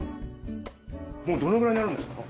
もうどのくらいになるんですか？